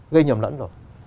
gây nhầm lẫn rồi